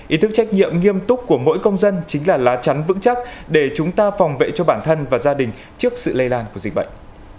ý thức trách nhiệm nghiêm túc của mỗi công dân chính là lá chắn vững chắc để chúng ta phòng vệ cho bản thân và gia đình trước sự lây lan của dịch bệnh